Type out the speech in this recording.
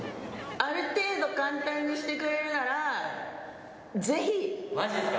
ある程度簡単にしてくれるなまじですか。